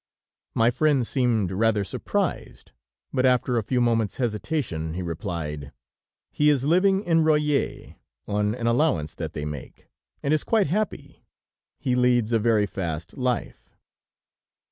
My friend seemed rather surprised, but after a few moments' hesitation, he replied: "He is living at Royat, on an allowance that they make, and is quite happy; he leads a very fast life."